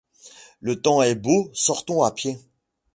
Le temps est beau, sortons à pied.